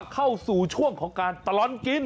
เข้าสู่ช่วงของการตลอดกิน